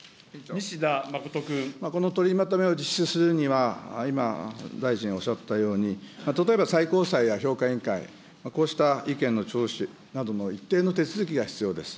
この取りまとめを実施するには、今、大臣おっしゃったように、例えば最高裁や評価委員会、こうした意見の聴取などの一定の手続きが必要です。